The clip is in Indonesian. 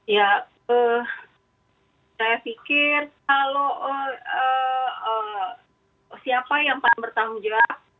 ya saya pikir kalau siapa yang paling bertanggung jawab